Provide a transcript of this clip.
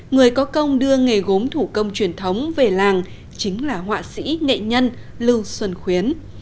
người có công đưa nghề gốm thủ công truyền thống về làng chính là họa sĩ nghệ nhân lưu xuân khuyến